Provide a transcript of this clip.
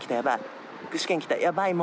やばい。